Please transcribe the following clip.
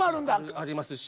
ありますし。